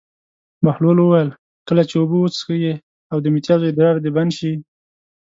بهلول وویل: کله چې اوبه وڅښې او د متیازو ادرار دې بند شي.